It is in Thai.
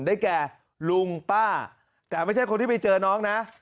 ได้แก่ลุงป้าแต่ไม่ใช่คนที่ไปเจอน้องนะ